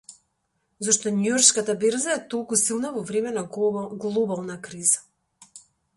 Зошто Њујоршката берза е толку силна во време на глобална криза